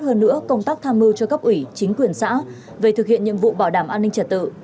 hơn nữa công tác tham mưu cho cấp ủy chính quyền xã về thực hiện nhiệm vụ bảo đảm an ninh trật tự